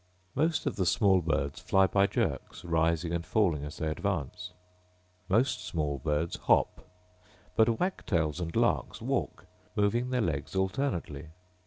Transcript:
Most of the small birds fly by jerks, rising and falling as they advance. Most small birds hop; but wagtails and larks walk, moving their legs alternately.